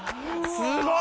すごい。